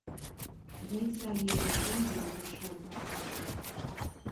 دوه اسرائیلي پوځیان د موټر شاوخوا تاو شول.